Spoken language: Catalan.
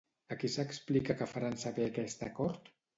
A qui s'explica que faran saber aquest acord?